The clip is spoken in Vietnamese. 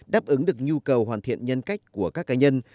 đáp ứng được nhu cầu hoàn thiện nhân cách của các cá nhân